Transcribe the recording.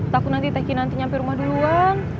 takut nanti tki nanti nyampe rumah duluan